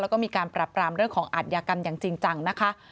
แล้วก็มีการปรับปรามเรื่องของอาทยากรรมอย่างจริงจังนะคะ